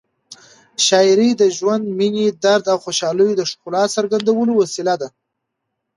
شاعري د ژوند، مینې، درد او خوشحالیو د ښکلا څرګندولو وسیله ده.